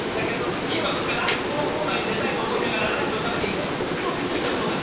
聞けばこの方このコーナーに出たいと思いながらランチを食べていてふと気付いたそうです。